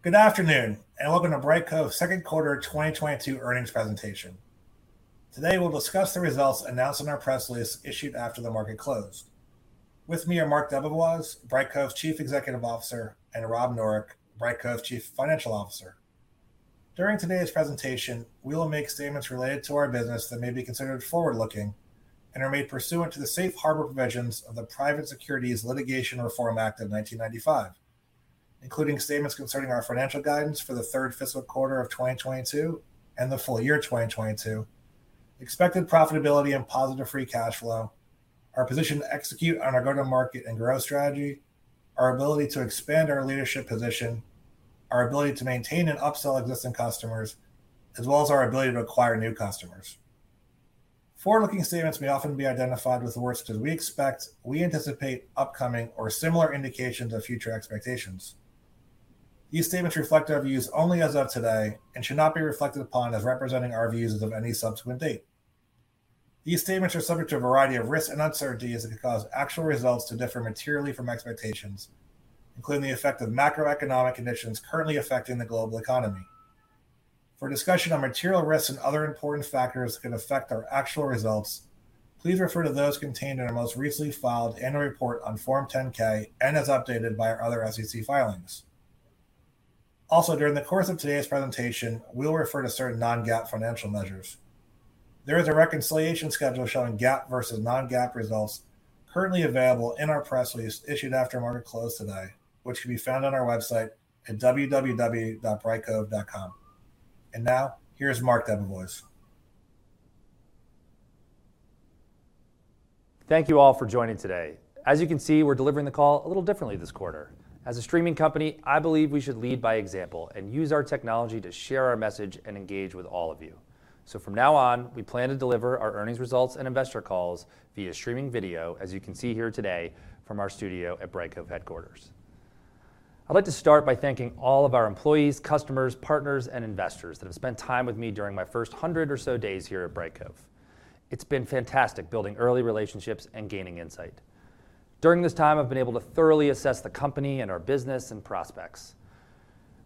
Good afternoon, and welcome to Brightcove's second quarter 2022 earnings presentation. Today, we'll discuss the results announced in our press release issued after the market closed. With me are Mark DeBevoise, Brightcove's Chief Executive Officer, and Robert Noreck, Brightcove's Chief Financial Officer. During today's presentation, we will make statements related to our business that may be considered forward-looking and are made pursuant to the safe harbor provisions of the Private Securities Litigation Reform Act of 1995, including statements concerning our financial guidance for the third fiscal quarter of 2022 and the full year 2022, expected profitability and positive free cash flow, our position to execute on our go-to-market and growth strategy, our ability to expand our leadership position, our ability to maintain and upsell existing customers, as well as our ability to acquire new customers. Forward-looking statements may often be identified with words such as we expect, we anticipate, upcoming, or similar indications of future expectations. These statements reflect our views only as of today and should not be reflected upon as representing our views as of any subsequent date. These statements are subject to a variety of risks and uncertainties that could cause actual results to differ materially from expectations, including the effect of macroeconomic conditions currently affecting the global economy. For a discussion on material risks and other important factors that could affect our actual results, please refer to those contained in our most recently filed annual report on Form 10-K and as updated by our other SEC filings. Also, during the course of today's presentation, we will refer to certain non-GAAP financial measures. There is a reconciliation schedule showing GAAP versus non-GAAP results currently available in our press release issued after market close today, which can be found on our website at www.brightcove.com. Now, here's Mark DeBevoise. Thank you all for joining today. As you can see, we're delivering the call a little differently this quarter. As a streaming company, I believe we should lead by example and use our technology to share our message and engage with all of you. From now on, we plan to deliver our earnings results and investor calls via streaming video, as you can see here today from our studio at Brightcove headquarters. I'd like to start by thanking all of our employees, customers, partners, and investors that have spent time with me during my first 100 or so days here at Brightcove. It's been fantastic building early relationships and gaining insight. During this time, I've been able to thoroughly assess the company and our business and prospects.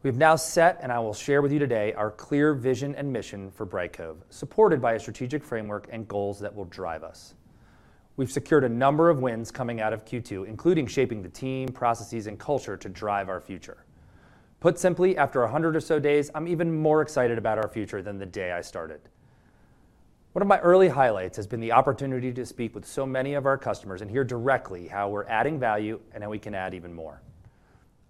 We've now set, and I will share with you today, our clear vision and mission for Brightcove, supported by a strategic framework and goals that will drive us. We've secured a number of wins coming out of Q2, including shaping the team, processes, and culture to drive our future. Put simply, after 100 or so days, I'm even more excited about our future than the day I started. One of my early highlights has been the opportunity to speak with so many of our customers and hear directly how we're adding value and how we can add even more.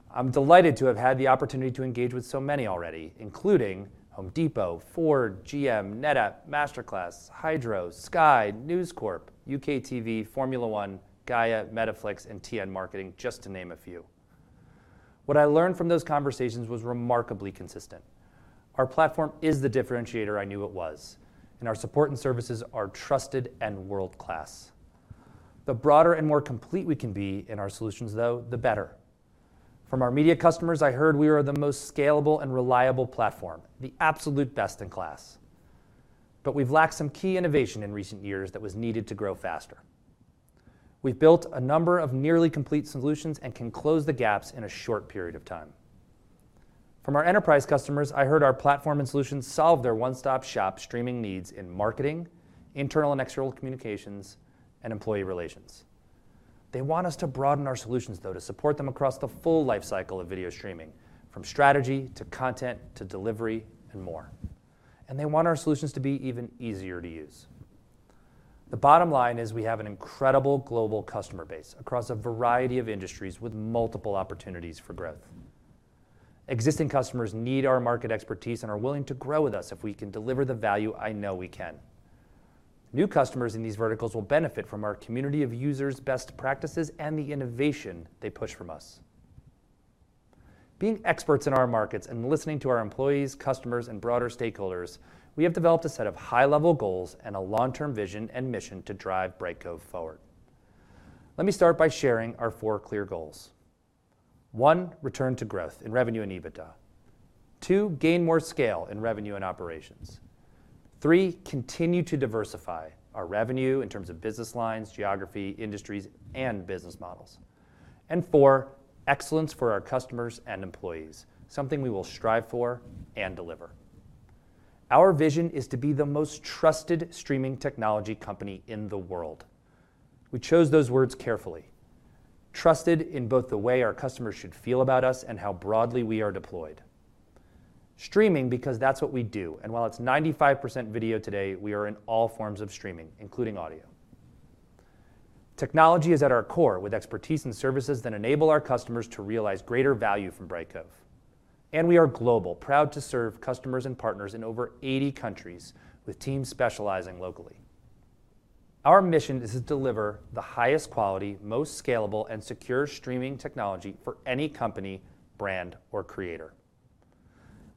I'm delighted to have had the opportunity to engage with so many already, including Home Depot, Ford, GM, NetApp, MasterClass, Hydrow, Sky, News Corp, UKTV, Formula One, Gaia, MediaFlix, and TN Marketing, just to name a few. What I learned from those conversations was remarkably consistent. Our platform is the differentiator I knew it was, and our support and services are trusted and world-class. The broader and more complete we can be in our solutions, though, the better. From our media customers, I heard we are the most scalable and reliable platform, the absolute best in class. We've lacked some key innovation in recent years that was needed to grow faster. We've built a number of nearly complete solutions and can close the gaps in a short period of time. From our enterprise customers, I heard our platform and solutions solve their one-stop-shop streaming needs in marketing, internal and external communications, and employee relations. They want us to broaden our solutions, though, to support them across the full life cycle of video streaming, from strategy, to content, to delivery, and more. They want our solutions to be even easier to use. The bottom line is we have an incredible global customer base across a variety of industries with multiple opportunities for growth. Existing customers need our market expertise and are willing to grow with us if we can deliver the value I know we can. New customers in these verticals will benefit from our community of users' best practices and the innovation they push from us. Being experts in our markets and listening to our employees, customers, and broader stakeholders, we have developed a set of high-level goals and a long-term vision and mission to drive Brightcove forward. Let me start by sharing our four clear goals. One, return to growth in revenue and EBITDA. Two, gain more scale in revenue and operations. Three, continue to diversify our revenue in terms of business lines, geography, industries, and business models. Four, excellence for our customers and employees, something we will strive for and deliver. Our vision is to be the most trusted streaming technology company in the world. We chose those words carefully. Trusted in both the way our customers should feel about us and how broadly we are deployed. Streaming because that's what we do, and while it's 95% video today, we are in all forms of streaming, including audio. Technology is at our core with expertise and services that enable our customers to realize greater value from Brightcove. We are global, proud to serve customers and partners in over 80 countries with teams specializing locally. Our mission is to deliver the highest quality, most scalable, and secure streaming technology for any company, brand, or creator.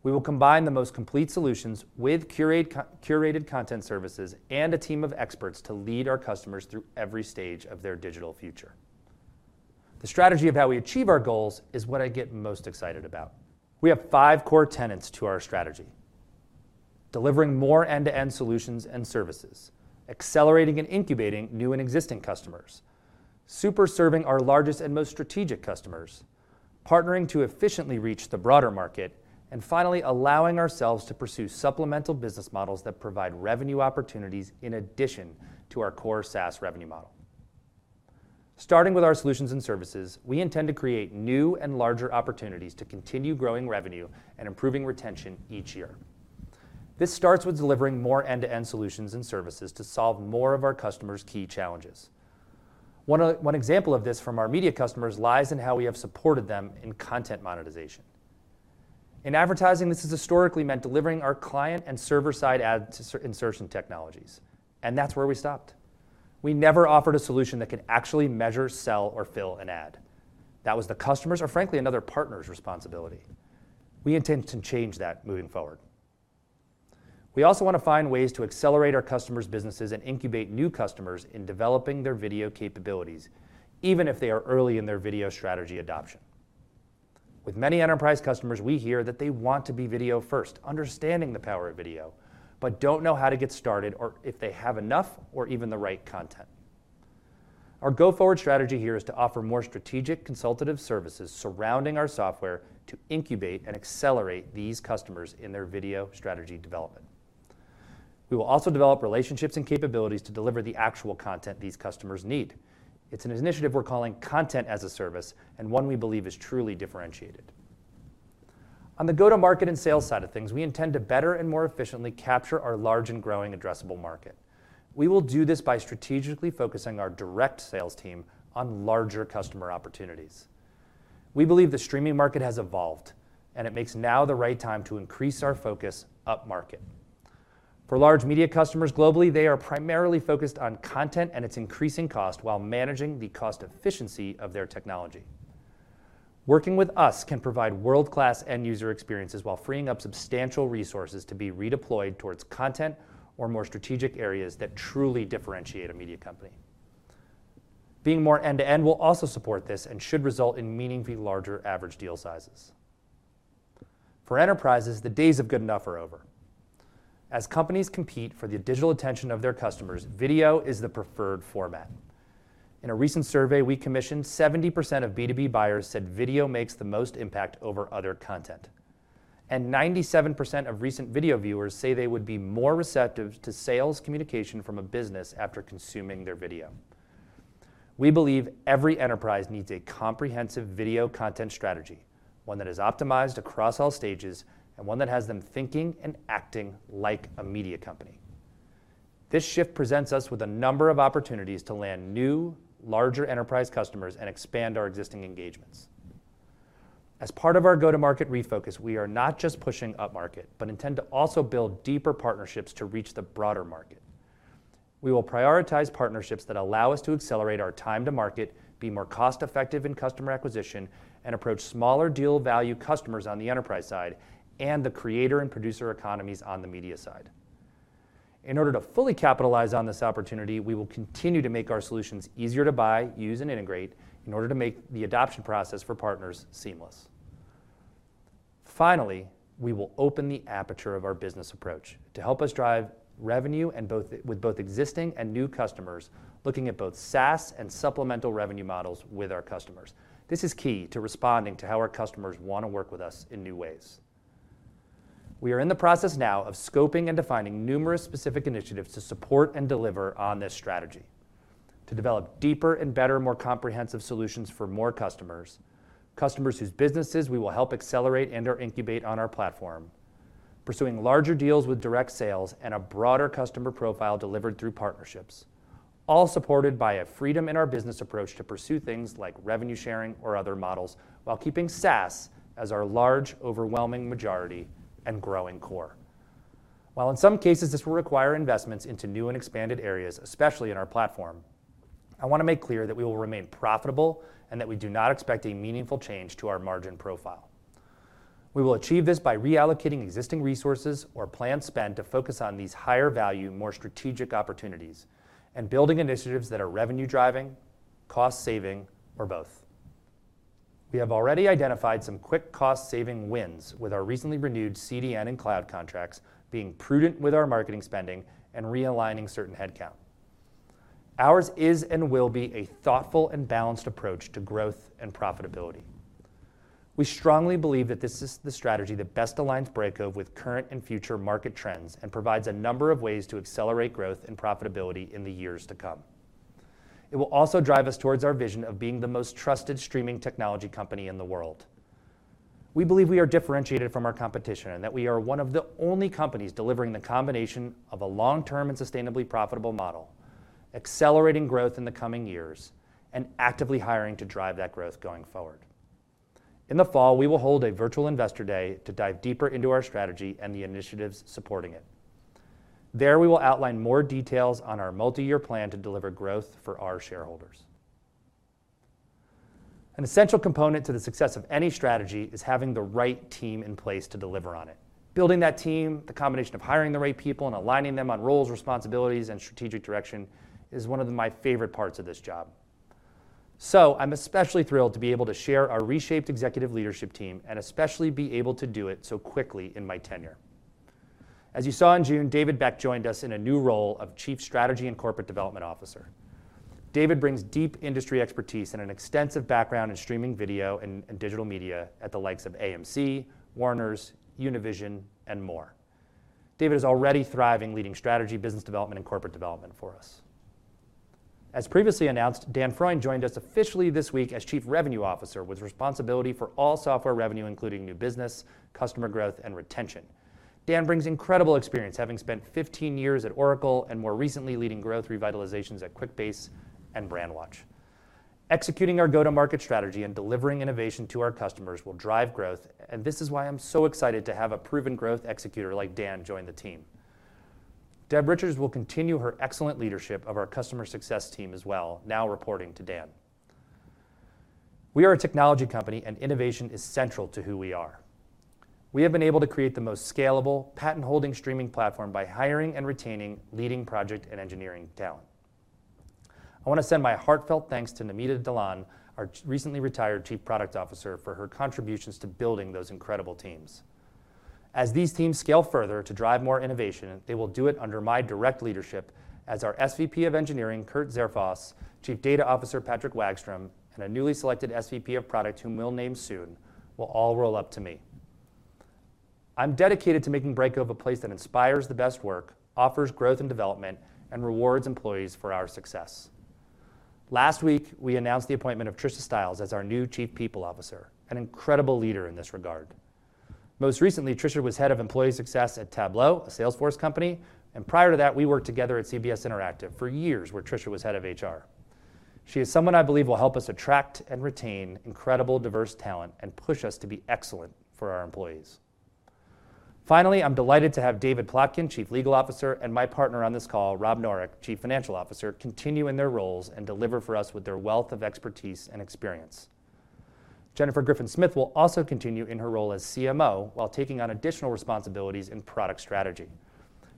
We will combine the most complete solutions with curated content services and a team of experts to lead our customers through every stage of their digital future. The strategy of how we achieve our goals is what I get most excited about. We have five core tenets to our strategy. Delivering more end-to-end solutions and services. Accelerating and incubating new and existing customers. Super serving our largest and most strategic customers. Partnering to efficiently reach the broader market. Finally, allowing ourselves to pursue supplemental business models that provide revenue opportunities in addition to our core SaaS revenue model. Starting with our solutions and services, we intend to create new and larger opportunities to continue growing revenue and improving retention each year. This starts with delivering more end-to-end solutions and services to solve more of our customers' key challenges. One example of this from our media customers lies in how we have supported them in content monetization. In advertising, this has historically meant delivering our client and server-side ad insertion technologies, and that's where we stopped. We never offered a solution that could actually measure, sell, or fill an ad. That was the customer's, or frankly, another partner's responsibility. We intend to change that moving forward. We also want to find ways to accelerate our customers' businesses and incubate new customers in developing their video capabilities, even if they are early in their video strategy adoption. With many enterprise customers, we hear that they want to be video-first, understanding the power of video, but don't know how to get started or if they have enough or even the right content. Our go-forward strategy here is to offer more strategic consultative services surrounding our software to incubate and accelerate these customers in their video strategy development. We will also develop relationships and capabilities to deliver the actual content these customers need. It's an initiative we're calling Content as a Service and one we believe is truly differentiated. On the go-to-market and sales side of things, we intend to better and more efficiently capture our large and growing addressable market. We will do this by strategically focusing our direct sales team on larger customer opportunities. We believe the streaming market has evolved, and it makes now the right time to increase our focus upmarket. For large media customers globally, they are primarily focused on content and its increasing cost while managing the cost efficiency of their technology. Working with us can provide world-class end-user experiences while freeing up substantial resources to be redeployed towards content or more strategic areas that truly differentiate a media company. Being more end-to-end will also support this and should result in meaningfully larger average deal sizes. For enterprises, the days of good enough are over. As companies compete for the digital attention of their customers, video is the preferred format. In a recent survey we commissioned, 70% of B2B buyers said video makes the most impact over other content. 97% of recent video viewers say they would be more receptive to sales communication from a business after consuming their video. We believe every enterprise needs a comprehensive video content strategy, one that is optimized across all stages and one that has them thinking and acting like a media company. This shift presents us with a number of opportunities to land new, larger enterprise customers and expand our existing engagements. As part of our go-to-market refocus, we are not just pushing upmarket, but intend to also build deeper partnerships to reach the broader market. We will prioritize partnerships that allow us to accelerate our time to market, be more cost-effective in customer acquisition, and approach smaller deal value customers on the enterprise side and the creator and producer economies on the media side. In order to fully capitalize on this opportunity, we will continue to make our solutions easier to buy, use, and integrate in order to make the adoption process for partners seamless. Finally, we will open the aperture of our business approach to help us drive revenue with both existing and new customers looking at both SaaS and supplemental revenue models with our customers. This is key to responding to how our customers want to work with us in new ways. We are in the process now of scoping and defining numerous specific initiatives to support and deliver on this strategy. To develop deeper and better, more comprehensive solutions for more customers whose businesses we will help accelerate and or incubate on our platform, pursuing larger deals with direct sales and a broader customer profile delivered through partnerships, all supported by a freedom in our business approach to pursue things like revenue sharing or other models while keeping SaaS as our large, overwhelming majority and growing core. While in some cases this will require investments into new and expanded areas, especially in our platform, I want to make clear that we will remain profitable and that we do not expect a meaningful change to our margin profile. We will achieve this by reallocating existing resources or planned spend to focus on these higher value, more strategic opportunities and building initiatives that are revenue driving, cost-saving, or both. We have already identified some quick cost-saving wins with our recently renewed CDN and cloud contracts, being prudent with our marketing spending and realigning certain headcount. Ours is and will be a thoughtful and balanced approach to growth and profitability. We strongly believe that this is the strategy that best aligns Brightcove with current and future market trends and provides a number of ways to accelerate growth and profitability in the years to come. It will also drive us towards our vision of being the most trusted streaming technology company in the world. We believe we are differentiated from our competition and that we are one of the only companies delivering the combination of a long-term and sustainably profitable model, accelerating growth in the coming years, and actively hiring to drive that growth going forward. In the fall, we will hold a virtual investor day to dive deeper into our strategy and the initiatives supporting it. There we will outline more details on our multi-year plan to deliver growth for our shareholders. An essential component to the success of any strategy is having the right team in place to deliver on it. Building that team, the combination of hiring the right people and aligning them on roles, responsibilities, and strategic direction is one of my favorite parts of this job. I'm especially thrilled to be able to share our reshaped executive leadership team and especially be able to do it so quickly in my tenure. As you saw in June, David Beck joined us in a new role of Chief Strategy and Corporate Development Officer. David brings deep industry expertise and an extensive background in streaming video and digital media at the likes of AMC, WarnerMedia, Univision and more. David is already thriving, leading strategy, business development and corporate development for us. As previously announced, Dan Freund joined us officially this week as Chief Revenue Officer, with responsibility for all software revenue, including new business, customer growth and retention. Dan brings incredible experience, having spent 15 years at Oracle and more recently leading growth revitalizations at Quickbase and Brandwatch. Executing our go-to-market strategy and delivering innovation to our customers will drive growth, and this is why I'm so excited to have a proven growth executor like Dan join the team. Deb Richards will continue her excellent leadership of our customer success team as well, now reporting to Dan. We are a technology company and innovation is central to who we are. We have been able to create the most scalable, patent-holding streaming platform by hiring and retaining leading project and engineering talent. I want to send my heartfelt thanks to Namita Dhillon, our recently retired Chief Product Officer, for her contributions to building those incredible teams. As these teams scale further to drive more innovation, they will do it under my direct leadership as our SVP of Engineering, Kurt Zerfoss, Chief Data Officer, Patrick Wagstrom, and a newly selected SVP of Product, whom we'll name soon, will all roll up to me. I'm dedicated to making Brightcove a place that inspires the best work, offers growth and development, and rewards employees for our success. Last week, we announced the appointment of Trisha Stiles as our new Chief People Officer, an incredible leader in this regard. Most recently, Trisha was Head of Employee Success at Tableau, a Salesforce company, and prior to that, we worked together at CBS Interactive for years, where Trisha was Head of HR. She is someone I believe will help us attract and retain incredible, diverse talent and push us to be excellent for our employees. Finally, I'm delighted to have David Plotkin, Chief Legal Officer, and my partner on this call, Robert Noreck, Chief Financial Officer, continue in their roles and deliver for us with their wealth of expertise and experience. Jennifer Griffin Smith will also continue in her role as CMO while taking on additional responsibilities in product strategy.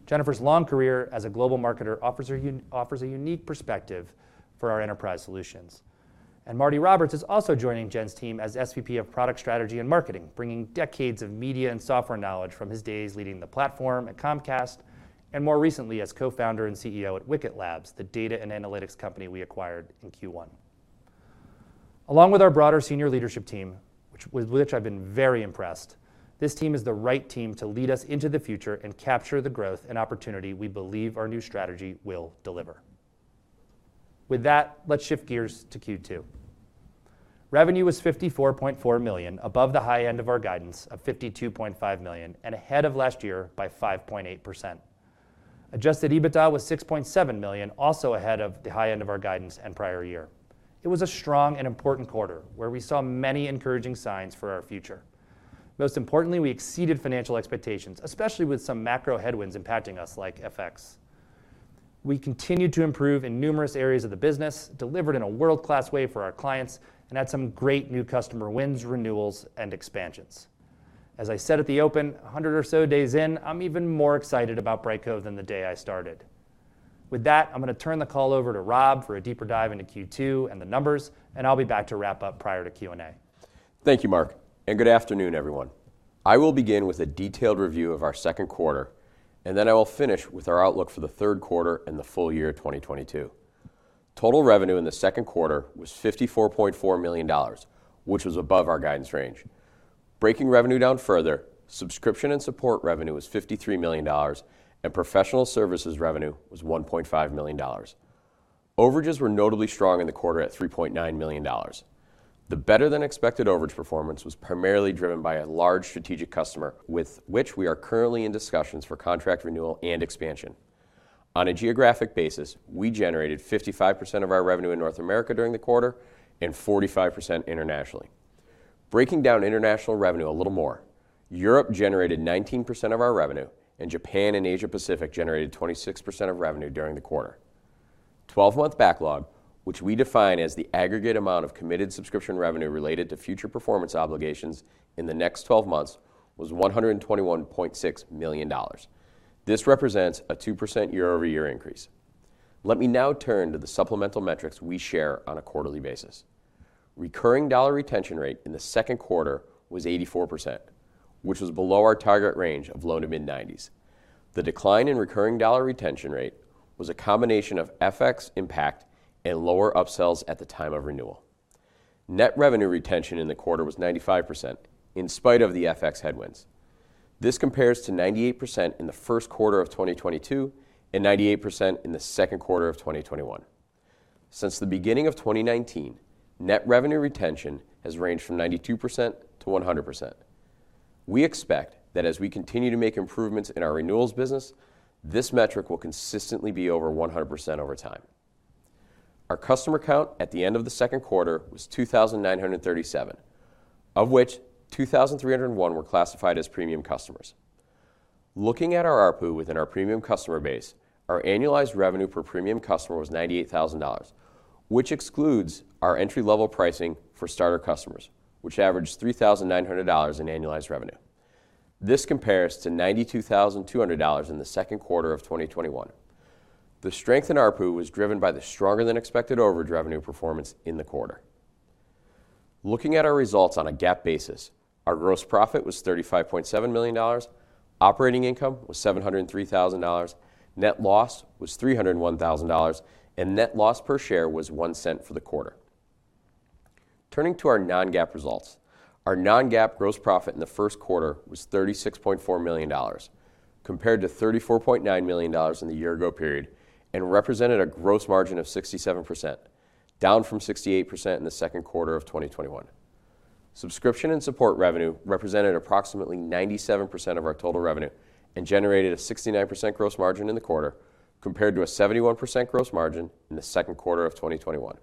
Jennifer's long career as a global marketer offers her a unique perspective for our enterprise solutions. Marty Roberts is also joining Jen's team as SVP of Product Strategy and Marketing, bringing decades of media and software knowledge from his days leading the platform at Comcast and more recently as co-founder and CEO at Wicket Labs, the data and analytics company we acquired in Q1. Along with our broader senior leadership team, with which I've been very impressed, this team is the right team to lead us into the future and capture the growth and opportunity we believe our new strategy will deliver. With that, let's shift gears to Q2. Revenue was $54.4 million, above the high end of our guidance of $52.5 million and ahead of last year by 5.8%. Adjusted EBITDA was $6.7 million, also ahead of the high end of our guidance and prior year. It was a strong and important quarter, where we saw many encouraging signs for our future. Most importantly, we exceeded financial expectations, especially with some macro headwinds impacting us, like FX. We continued to improve in numerous areas of the business, delivered in a world-class way for our clients, and had some great new customer wins, renewals and expansions. As I said at the open, 100 or so days in, I'm even more excited about Brightcove than the day I started. With that, I'm gonna turn the call over to Rob for a deeper dive into Q2 and the numbers, and I'll be back to wrap up prior to Q&A. Thank you, Mark, and good afternoon, everyone. I will begin with a detailed review of our second quarter, and then I will finish with our outlook for the third quarter and the full year 2022. Total revenue in the second quarter was $54.4 million, which was above our guidance range. Breaking revenue down further, subscription and support revenue was $53 million, and professional services revenue was $1.5 million. Overages were notably strong in the quarter at $3.9 million. The better-than-expected overage performance was primarily driven by a large strategic customer, with which we are currently in discussions for contract renewal and expansion. On a geographic basis, we generated 55% of our revenue in North America during the quarter and 45% internationally. Breaking down international revenue a little more, Europe generated 19% of our revenue, and Japan and Asia Pacific generated 26% of revenue during the quarter. Twelve-month backlog, which we define as the aggregate amount of committed subscription revenue related to future performance obligations in the next twelve months, was $121.6 million. This represents a 2% year-over-year increase. Let me now turn to the supplemental metrics we share on a quarterly basis. Recurring dollar retention rate in the second quarter was 84%, which was below our target range of low to mid-nineties. The decline in recurring dollar retention rate was a combination of FX impact and lower upsells at the time of renewal. Net revenue retention in the quarter was 95%, in spite of the FX headwinds. This compares to 98% in the first quarter of 2022 and 98% in the second quarter of 2021. Since the beginning of 2019, net revenue retention has ranged from 92% to 100%. We expect that as we continue to make improvements in our renewals business, this metric will consistently be over 100% over time. Our customer count at the end of the second quarter was 2,937, of which 2,301 were classified as premium customers. Looking at our ARPU within our premium customer base, our annualized revenue per premium customer was $98,000, which excludes our entry-level pricing for starter customers, which averaged $3,900 in annualized revenue. This compares to $92,200 in the second quarter of 2021. The strength in ARPU was driven by the stronger than expected overage revenue performance in the quarter. Looking at our results on a GAAP basis, our gross profit was $35.7 million. Operating income was $703,000. Net loss was $301,000, and net loss per share was $0.01 for the quarter. Turning to our non-GAAP results. Our non-GAAP gross profit in the first quarter was $36.4 million, compared to $34.9 million in the year ago period, and represented a gross margin of 67%, down from 68% in the second quarter of 2021. Subscription and support revenue represented approximately 97% of our total revenue and generated a 69% gross margin in the quarter compared to a 71% gross margin in the second quarter of 2021.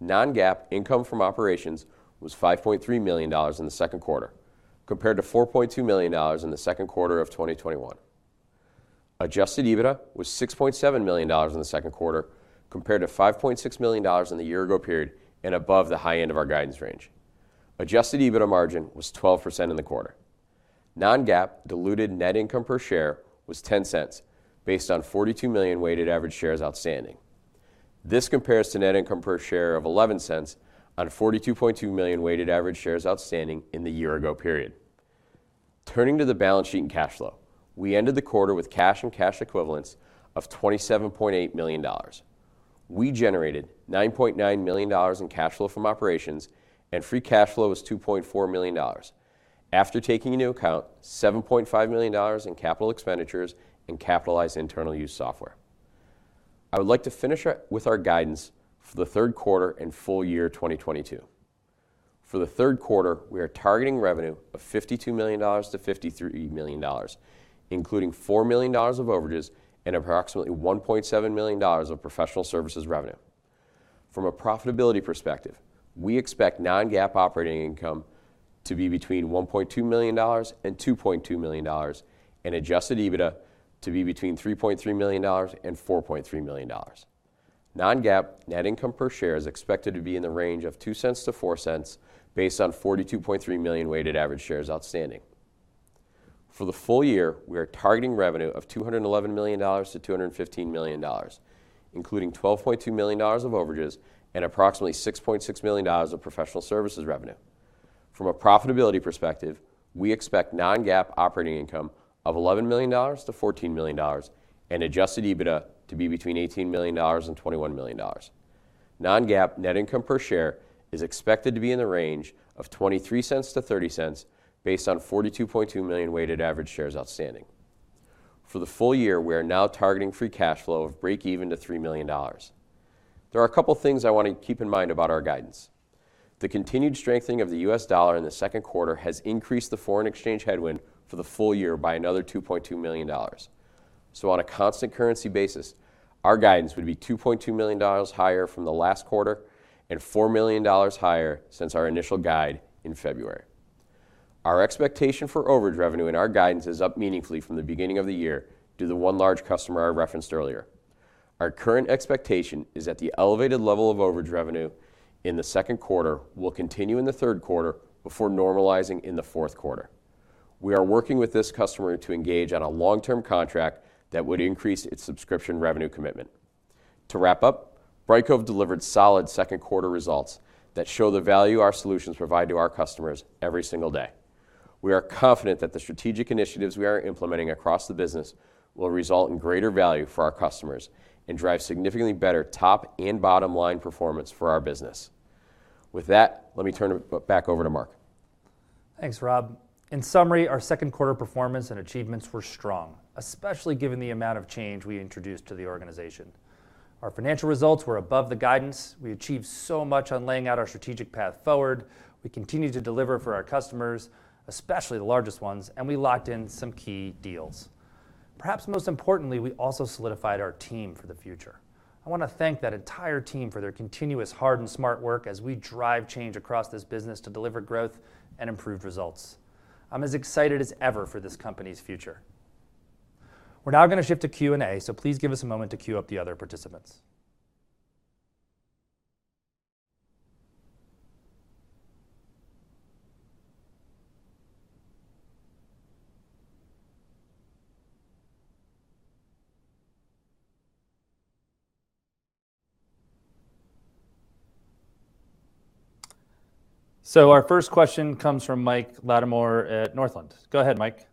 Non-GAAP income from operations was $5.3 million in the second quarter, compared to $4.2 million in the second quarter of 2021. Adjusted EBITDA was $6.7 million in the second quarter, compared to $5.6 million in the year ago period and above the high end of our guidance range. Adjusted EBITDA margin was 12% in the quarter. Non-GAAP diluted net income per share was $0.10 based on 42 million weighted average shares outstanding. This compares to net income per share of $0.11 on 42.2 million weighted average shares outstanding in the year ago period. Turning to the balance sheet and cash flow. We ended the quarter with cash and cash equivalents of $27.8 million. We generated $9.9 million in cash flow from operations, and free cash flow was $2.4 million. After taking into account $7.5 million in capital expenditures and capitalized internal-use software. I would like to finish with our guidance for the third quarter and full year 2022. For the third quarter, we are targeting revenue of $52 million-$53 million, including $4 million of overages and approximately $1.7 million of professional services revenue. From a profitability perspective, we expect non-GAAP operating income to be between $1.2 million and $2.2 million, and Adjusted EBITDA to be between $3.3 million and $4.3 million. non-GAAP net income per share is expected to be in the range of $0.02-$0.04 based on 42.3 million weighted average shares outstanding. For the full year, we are targeting revenue of $211 million-$215 million, including $12.2 million of overages and approximately $6.6 million of professional services revenue. From a profitability perspective, we expect non-GAAP operating income of $11 million-$14 million and Adjusted EBITDA to be between $18 million and $21 million. non-GAAP net income per share is expected to be in the range of $0.23-$0.30 based on 42.2 million weighted average shares outstanding. For the full year, we are now targeting free cash flow of break even to $3 million. There are a couple things I want to keep in mind about our guidance. The continued strengthening of the U.S. dollar in the second quarter has increased the foreign exchange headwind for the full year by another $2.2 million. On a constant currency basis, our guidance would be $2.2 million higher from the last quarter and $4 million higher since our initial guide in February. Our expectation for overage revenue and our guidance is up meaningfully from the beginning of the year due to one large customer I referenced earlier. Our current expectation is that the elevated level of overage revenue in the second quarter will continue in the third quarter before normalizing in the fourth quarter. We are working with this customer to engage on a long-term contract that would increase its subscription revenue commitment. To wrap up, Brightcove delivered solid second quarter results that show the value our solutions provide to our customers every single day. We are confident that the strategic initiatives we are implementing across the business will result in greater value for our customers and drive significantly better top and bottom line performance for our business. With that, let me turn it back over to Mark. Thanks, Rob. In summary, our second quarter performance and achievements were strong, especially given the amount of change we introduced to the organization. Our financial results were above the guidance. We achieved so much on laying out our strategic path forward. We continue to deliver for our customers, especially the largest ones, and we locked in some key deals. Perhaps most importantly, we also solidified our team for the future. I want to thank that entire team for their continuous hard and smart work as we drive change across this business to deliver growth and improved results. I'm as excited as ever for this company's future. We're now going to shift to Q&A, so please give us a moment to queue up the other participants. Our first question comes from Mike Latimore at Northland. Go ahead, Mike.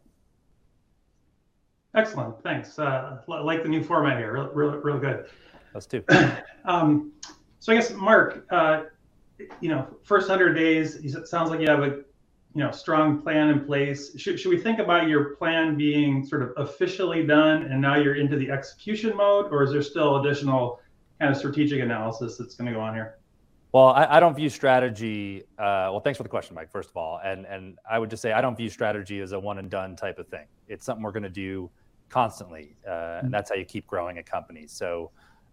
Excellent. Thanks. Like the new format here. Real good. Us too. I guess, Mark, you know, first 100 days, it sounds like you have a, you know, strong plan in place. Should we think about your plan being sort of officially done and now you're into the execution mode, or is there still additional kind of strategic analysis that's gonna go on here? Well, thanks for the question, Mike, first of all, and I would just say I don't view strategy as a one and done type of thing. It's something we're gonna do constantly, and that's how you keep growing a company.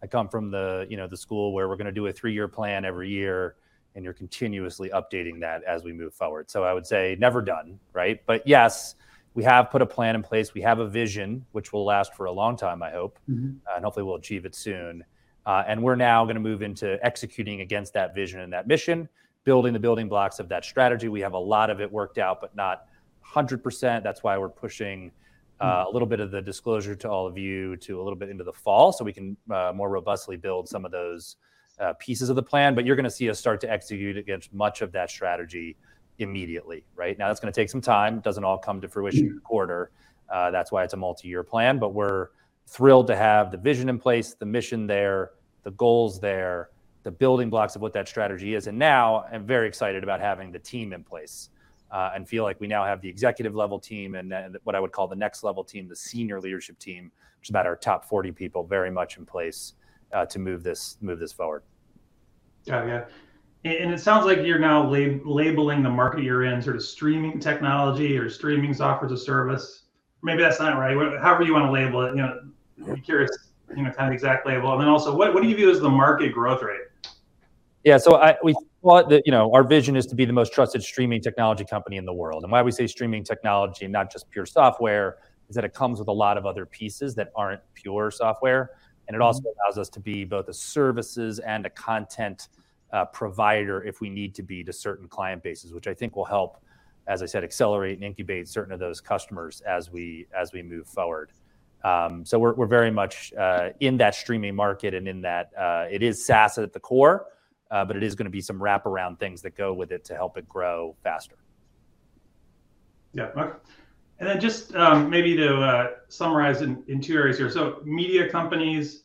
I come from the, you know, the school where we're gonna do a three-year plan every year, and you're continuously updating that as we move forward. I would say never done, right? Yes, we have put a plan in place. We have a vision which will last for a long time, I hope. Mm-hmm. Hopefully we'll achieve it soon. We're now gonna move into executing against that vision and that mission. Building the building blocks of that strategy, we have a lot of it worked out, but not hundred percent. That's why we're pushing a little bit of the disclosure to all of you to a little bit into the fall so we can more robustly build some of those pieces of the plan. You're gonna see us start to execute against much of that strategy immediately. Right now, that's gonna take some time. It doesn't all come to fruition in a quarter. That's why it's a multi-year plan, but we're thrilled to have the vision in place, the mission there, the goals there, the building blocks of what that strategy is. Now I'm very excited about having the team in place, and feel like we now have the executive level team and then what I would call the next level team, the senior leadership team, which is about our top 40 people, very much in place, to move this forward. Got it. Yeah. It sounds like you're now labeling the market you're in, sort of streaming technology or streaming software as a service. Maybe that's not right. Whatever you wanna label it, you know. Yeah I'm curious, you know, kind of the exact label. Then also, what do you view as the market growth rate? Well, you know, our vision is to be the most trusted streaming technology company in the world. Why we say streaming technology and not just pure software is that it comes with a lot of other pieces that aren't pure software. Mm-hmm. It also allows us to be both a services and a content provider if we need to be to certain client bases, which I think will help, as I said, accelerate and incubate certain of those customers as we move forward. We're very much in that streaming market and in that. It is SaaS at the core, but it is gonna be some wraparound things that go with it to help it grow faster. Yeah. Okay. Then just maybe to summarize in two areas here. Media companies,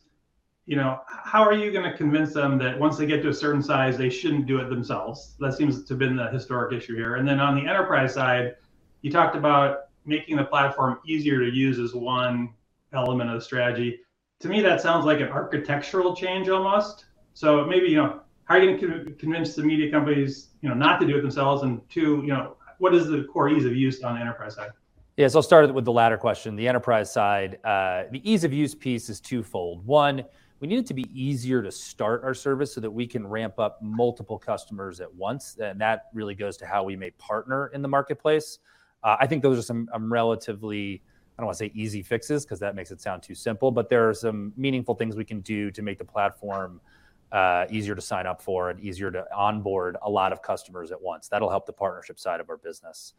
you know, how are you gonna convince them that once they get to a certain size, they shouldn't do it themselves? That seems to have been the historic issue here. On the enterprise side, you talked about making the platform easier to use as one element of the strategy. To me, that sounds like an architectural change almost. Maybe, you know, how are you gonna convince the media companies, you know, not to do it themselves, and two, you know, what is the core ease of use on the enterprise side? Yeah. I'll start with the latter question, the enterprise side. The ease of use piece is twofold. One, we need it to be easier to start our service so that we can ramp up multiple customers at once, and that really goes to how we may partner in the marketplace. I think those are some, relatively, I don't wanna say easy fixes 'cause that makes it sound too simple, but there are some meaningful things we can do to make the platform, easier to sign up for and easier to onboard a lot of customers at once. That'll help the partnership side of our business.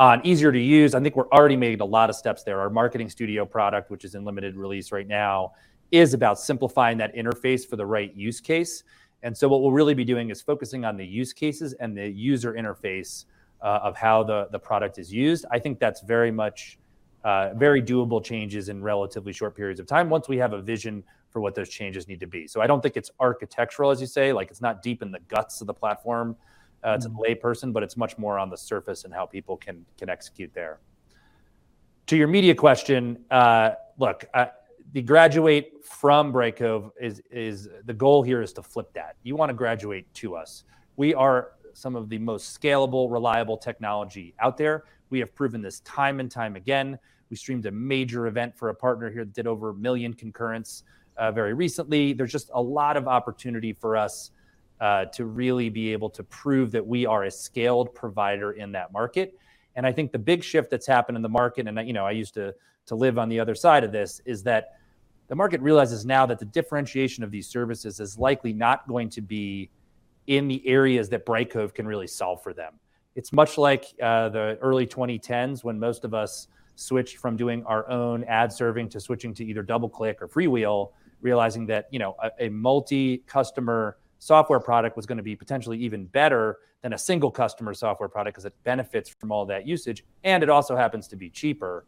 On easier to use, I think we've already made a lot of steps there. Our Marketing Studio product, which is in limited release right now, is about simplifying that interface for the right use case. What we'll really be doing is focusing on the use cases and the user interface of how the product is used. I think that's very much very doable changes in relatively short periods of time once we have a vision for what those changes need to be. I don't think it's architectural, as you say. Like, it's not deep in the guts of the platform, to the layperson, but it's much more on the surface and how people can execute there. To your media question, look, to graduate from Brightcove, the goal here is to flip that. You wanna graduate to us. We are some of the most scalable, reliable technology out there. We have proven this time and time again. We streamed a major event for a partner here that did over 1 million concurrent very recently. There's just a lot of opportunity for us to really be able to prove that we are a scaled provider in that market. I, you know, I used to live on the other side of this, is that the market realizes now that the differentiation of these services is likely not going to be in the areas that Brightcove can really solve for them. It's much like the early 2010s when most of us switched from doing our own ad serving to switching to either DoubleClick or FreeWheel, realizing that, you know, a multi-customer software product was gonna be potentially even better than a single customer software product 'cause it benefits from all that usage, and it also happens to be cheaper.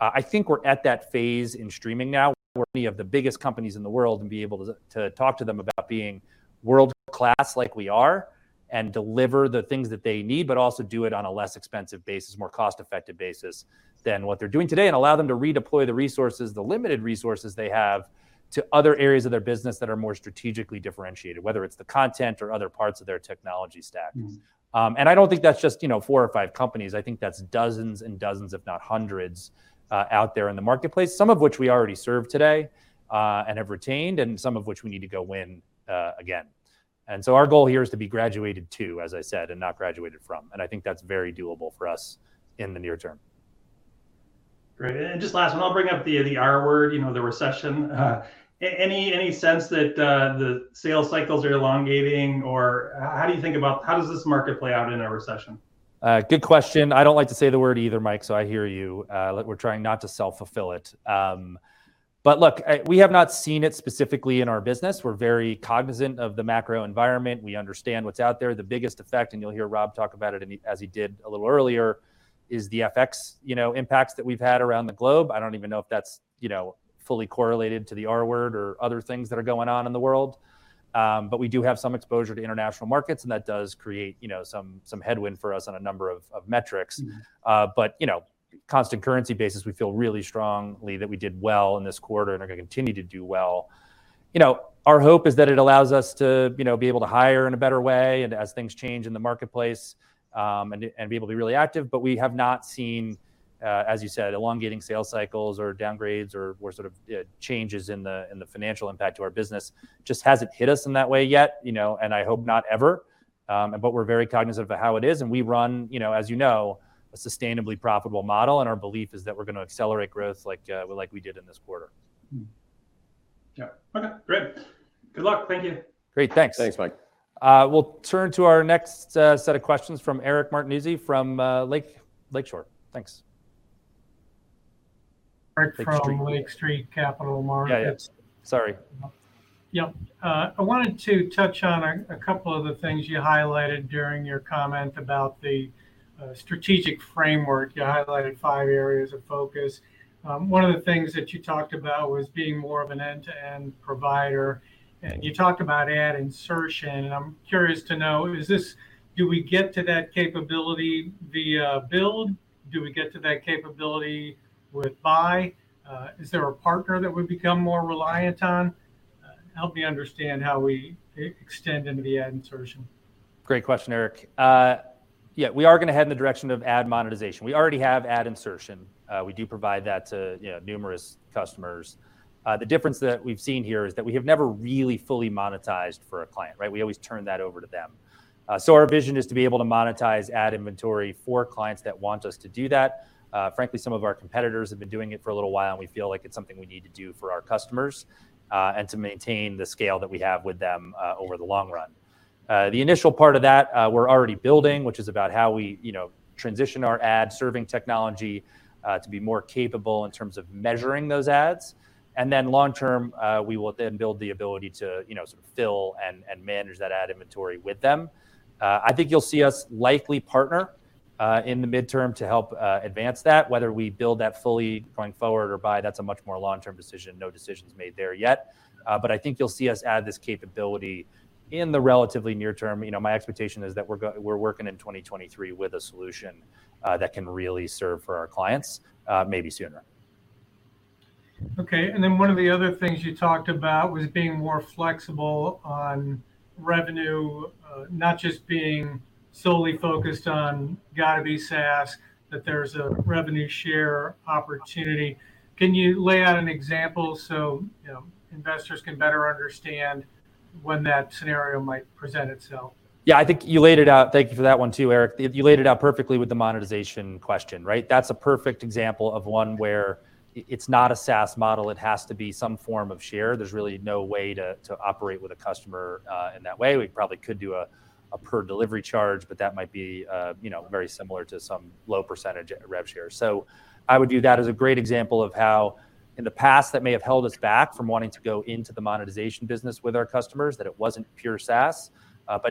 I think we're at that phase in streaming now where many of the biggest companies in the world and we are able to talk to them about being world-class like we are and deliver the things that they need, but also do it on a less expensive basis, more cost-effective basis than what they're doing today. Allow them to redeploy the resources, the limited resources they have, to other areas of their business that are more strategically differentiated, whether it's the content or other parts of their technology stack. Mm-hmm. I don't think that's just, you know, four or five companies. I think that's dozens and dozens, if not hundreds, out there in the marketplace, some of which we already serve today, and have retained, and some of which we need to go win, again. Our goal here is to be graduated to, as I said, and not graduated from, and I think that's very doable for us in the near term. Great. Just last one, I'll bring up the R-word, you know, the recession. Any sense that the sales cycles are elongating, or how do you think about how does this market play out in a recession? Good question. I don't like to say the word either, Mike, so I hear you. Look, we're trying not to self-fulfill it. Look, we have not seen it specifically in our business. We're very cognizant of the macro environment. We understand what's out there. The biggest effect, and you'll hear Rob talk about it in the, as he did a little earlier, is the FX impacts that we've had around the globe. I don't even know if that's fully correlated to the R-word or other things that are going on in the world. We do have some exposure to international markets, and that does create some headwind for us on a number of metrics. Mm-hmm. You know, constant currency basis, we feel really strongly that we did well in this quarter and are gonna continue to do well. You know, our hope is that it allows us to, you know, be able to hire in a better way and as things change in the marketplace, and be able to be really active. We have not seen, as you said, elongating sales cycles or downgrades or sort of changes in the financial impact to our business. Just hasn't hit us in that way yet, you know, and I hope not ever. We're very cognizant of how it is, and we run, you know, as you know, a sustainably profitable model, and our belief is that we're gonna accelerate growth like we did in this quarter. Mm-hmm. Yeah. Okay, great. Good luck. Thank you. Great. Thanks. Thanks, Mike. We'll turn to our next set of questions from Eric Martinuzzi from Lake Street Capital Markets. Thanks. Eric Lake Street Lake Street Capital Markets. Yeah, yeah. Sorry. Yep. I wanted to touch on a couple of the things you highlighted during your comment about the strategic framework. You highlighted five areas of focus. One of the things that you talked about was being more of an end-to-end provider, and you talked about ad insertion, and I'm curious to know, do we get to that capability via build? Do we get to that capability with buy? Is there a partner that we've become more reliant on? Help me understand how we extend into the ad insertion. Great question, Eric. Yeah, we are gonna head in the direction of ad monetization. We already have ad insertion. We do provide that to, you know, numerous customers. The difference that we've seen here is that we have never really fully monetized for a client, right? We always turn that over to them. So our vision is to be able to monetize ad inventory for clients that want us to do that. Frankly, some of our competitors have been doing it for a little while, and we feel like it's something we need to do for our customers, and to maintain the scale that we have with them, over the long run. The initial part of that, we're already building, which is about how we, you know, transition our ad serving technology, to be more capable in terms of measuring those ads. Long-term, we will then build the ability to, you know, sort of fill and manage that ad inventory with them. I think you'll see us likely partner, in the midterm to help, advance that. Whether we build that fully going forward or buy, that's a much more long-term decision. No decisions made there yet. I think you'll see us add this capability in the relatively near term. You know, my expectation is that we're working in 2023 with a solution, that can really serve for our clients, maybe sooner. Okay. One of the other things you talked about was being more flexible on revenue, not just being solely focused on gotta be SaaS, but there's a revenue share opportunity. Can you lay out an example so, you know, investors can better understand when that scenario might present itself? Yeah, I think you laid it out. Thank you for that one too, Eric. You laid it out perfectly with the monetization question, right? That's a perfect example of one where it's not a SaaS model. It has to be some form of share. There's really no way to operate with a customer in that way. We probably could do a per delivery charge, but that might be, you know, very similar to some low percentage rev share. I would view that as a great example of how, in the past, that may have held us back from wanting to go into the monetization business with our customers, that it wasn't pure SaaS.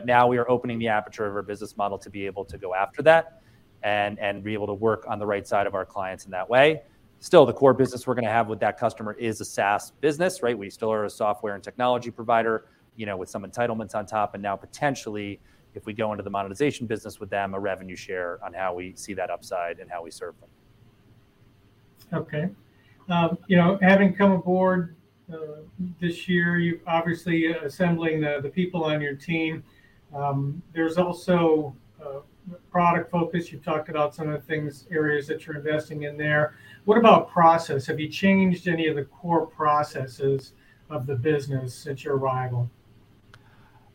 Now we are opening the aperture of our business model to be able to go after that and be able to work on the right side of our clients in that way. Still, the core business we're gonna have with that customer is a SaaS business, right? We still are a software and technology provider, you know, with some entitlements on top. Now potentially, if we go into the monetization business with them, a revenue share on how we see that upside and how we serve them. Okay. You know, having come aboard this year, you're obviously assembling the people on your team. There's also product focus. You've talked about some of the things, areas that you're investing in there. What about process? Have you changed any of the core processes of the business since your arrival?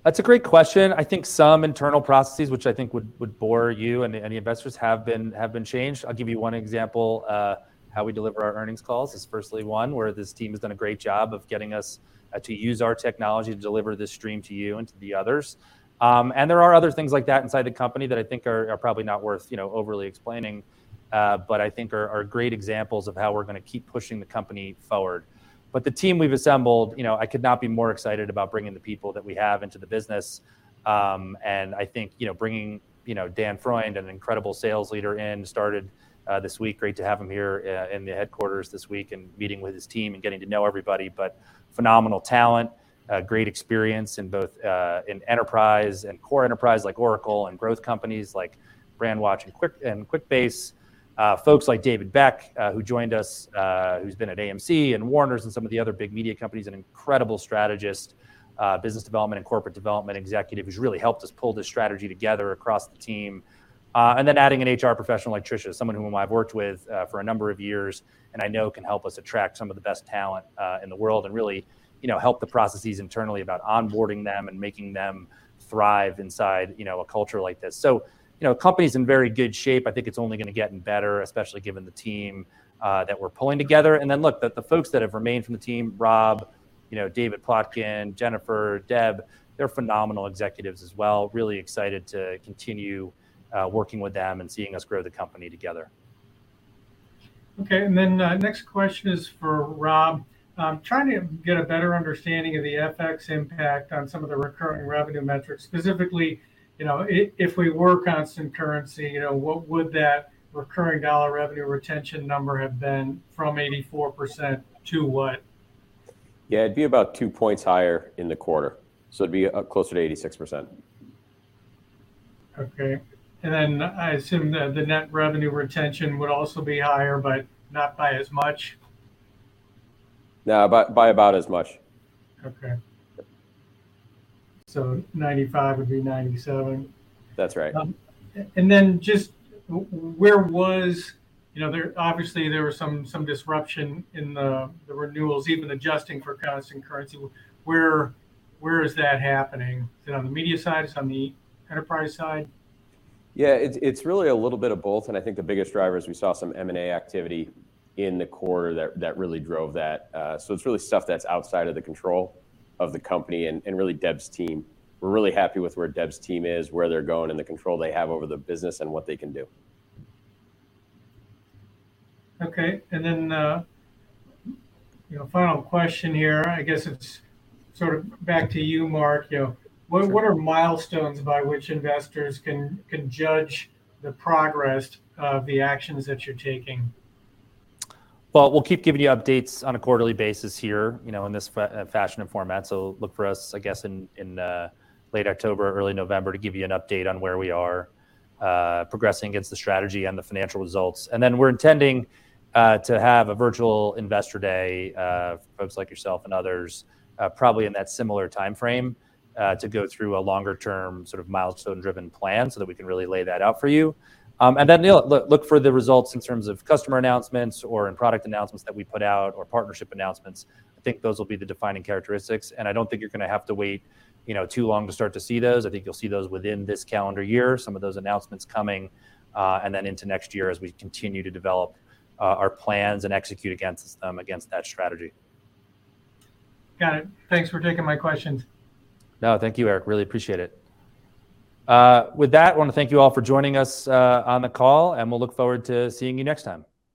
That's a great question. I think some internal processes, which I think would bore you and any investors, have been changed. I'll give you one example. How we deliver our earnings calls is firstly one, where this team has done a great job of getting us to use our technology to deliver this stream to you and to the others. There are other things like that inside the company that I think are probably not worth, you know, overly explaining, but I think are great examples of how we're gonna keep pushing the company forward. The team we've assembled, you know, I could not be more excited about bringing the people that we have into the business. I think, you know, bringing, you know, Dan Freund, an incredible sales leader in, started this week. Great to have him here, in the headquarters this week and meeting with his team and getting to know everybody. Phenomenal talent, great experience in both, in enterprise and core enterprise, like Oracle and growth companies like Brandwatch and Quickbase. Folks like David Beck, who joined us, who's been at AMC and Warner's and some of the other big media companies, an incredible strategist, business development and corporate development executive, who's really helped us pull this strategy together across the team. Adding an HR professional like Tricia, someone whom I've worked with, for a number of years, and I know can help us attract some of the best talent, in the world and really, you know, help the processes internally about onboarding them and making them thrive inside, you know, a culture like this. You know, the company's in very good shape. I think it's only gonna getting better, especially given the team that we're pulling together. Look, the folks that have remained from the team, Rob, you know, David Plotkin, Jennifer, Deb, they're phenomenal executives as well. Really excited to continue working with them and seeing us grow the company together. Next question is for Rob. I'm trying to get a better understanding of the FX impact on some of the recurring revenue metrics. Specifically, you know, if we were constant currency, you know, what would that recurring dollar revenue retention number have been from 84% to what? Yeah, it'd be about two points higher in the quarter. It'd be closer to 86%. Okay. I assume the net revenue retention would also be higher, but not by as much? No, by about as much. Okay. 95 would be 97. That's right. Just where was? You know, there obviously was some disruption in the renewals, even adjusting for constant currency. Where is that happening? Is it on the media side? Is this on the enterprise side? Yeah. It's really a little bit of both, and I think the biggest driver is we saw some M&A activity in the quarter that really drove that. It's really stuff that's outside of the control of the company and really Deb's team. We're really happy with where Deb's team is, where they're going, and the control they have over the business and what they can do. Okay. You know, final question here, I guess it's sort of back to you, Mark. You know. Sure What are milestones by which investors can judge the progress of the actions that you're taking? We'll keep giving you updates on a quarterly basis here, you know, in this fashion and format. Look for us, I guess, in late October, early November to give you an update on where we are progressing against the strategy and the financial results. We're intending to have a virtual investor day for folks like yourself and others, probably in that similar timeframe, to go through a longer term sort of milestone-driven plan so that we can really lay that out for you. You know, look for the results in terms of customer announcements or in product announcements that we put out or partnership announcements. I think those will be the defining characteristics, and I don't think you're gonna have to wait, you know, too long to start to see those. I think you'll see those within this calendar year, some of those announcements coming, and then into next year as we continue to develop our plans and execute against that strategy. Got it. Thanks for taking my questions. No, thank you, Eric. Really appreciate it. With that, I wanna thank you all for joining us on the call, and we'll look forward to seeing you next time.